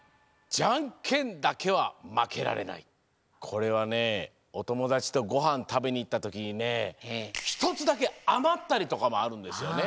これはねおともだちとごはんたべにいったときにねひとつだけあまったりとかもあるんですよね。